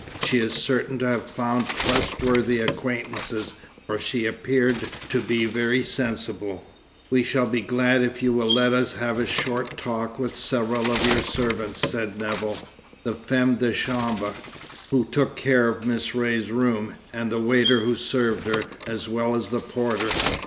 She is certain to have found trustworthy acquaintances, for she appeared to be very sensible." "We shall be glad if you will let us have a short talk with several of your servants," said Nevill "the femme de chambre who took care of Miss Ray's room, and the waiter who served her, as well as the porter."